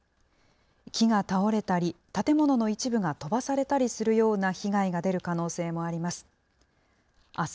木が倒れたり、建物の一部が飛ばされたりするような被害が出る可能性もあります。